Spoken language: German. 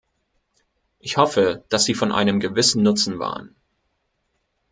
Ich hoffe, dass sie von einem gewissen Nutzen waren.